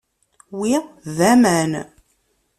Wi d aman.